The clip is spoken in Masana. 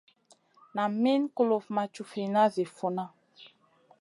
Nam Min kulufn ma cufina zi funa.